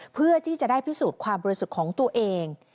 เพื่อที่จะได้พิสูจน์ความบริสุทธิ์ของตัวเอง